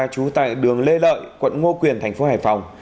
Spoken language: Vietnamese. trú tại đường lê lợi quận ngô quyền tp hcm